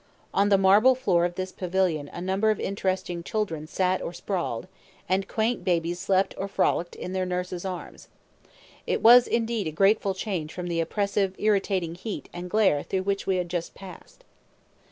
On the marble floor of this pavilion a number of interesting children sat or sprawled, and quaint babies slept or frolicked in their nurses' arms. It was, indeed, a grateful change from the oppressive, irritating heat and glare through which we had just passed.